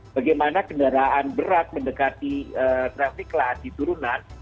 bagaimana kendaraan berat mendekati traffic light di turunan